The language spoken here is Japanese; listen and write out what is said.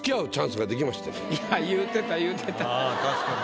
いや言うてた言うてた。